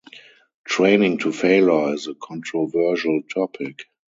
Training to failure is a controversial topic.